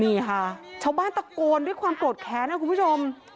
นี่ค่ะชาวบ้านตะโกนด้วยความโกรธแค้นนะคุณผู้ชม